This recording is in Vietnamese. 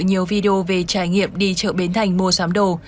nhiều video về trải nghiệm đi chợ bến thành mua sắm đồ